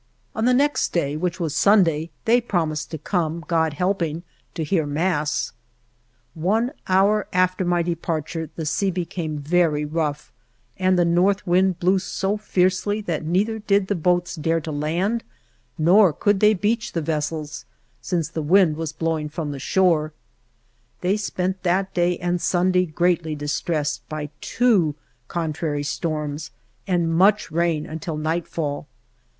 On the next day, which was Sunday, they promised to come, God helping, to hear 4 ALVAR NUNEZ CABEZA DE VACA mass. One hour after my departure the sea became very rough and the north wind blew so fiercely that neither did the boats dare to land, nor could they beach the ves sels, since the wind was blowing from the shore. They spent that day and Sunday greatly distressed by two contrary storms and much rain, until nightfall.